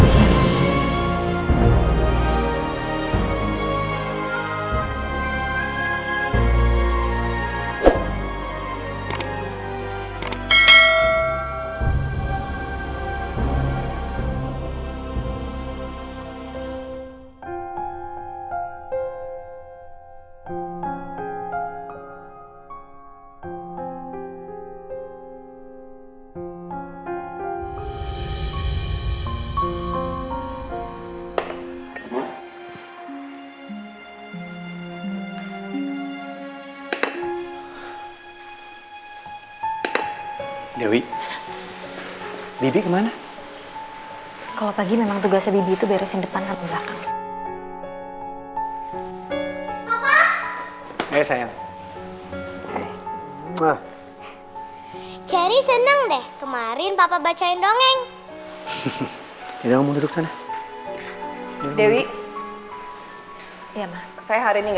selamat istirahat dewi